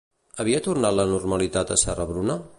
Havia tornat la normalitat a Serra-Bruna?